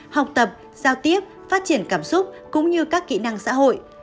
học tập giao tiếp phát triển cảm xúc cũng như các kỹ năng xã hội